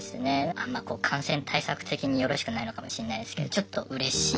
あんまこう感染対策的によろしくないのかもしれないですけどちょっとうれしい。